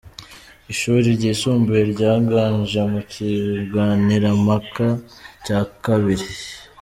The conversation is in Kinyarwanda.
Ishuri ryisumbuye ryaganje mu kiganirompaka cya kabiri